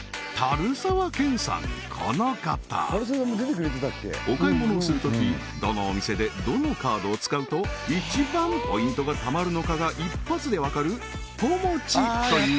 この方お買い物をする時どのお店でどのカードを使うと一番ポイントが貯まるのかが一発で分かる「ポモチ」という